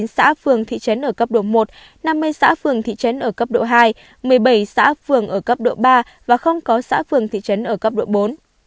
một mươi xã phường thị trấn ở cấp độ một năm mươi xã phường thị trấn ở cấp độ hai một mươi bảy xã phường ở cấp độ ba và không có xã phường thị trấn ở cấp độ bốn